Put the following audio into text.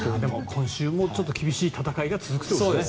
今週も厳しい戦いが続くっていうことですね